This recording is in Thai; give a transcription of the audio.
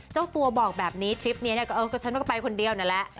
เจ้าตัวบอกแบบนี้ทริปนี้ก็ฉันมันก็ไปคนเดียวนั่นแหละ